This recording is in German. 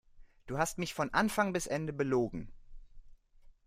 Du hast mich von Anfang bis Ende belogen.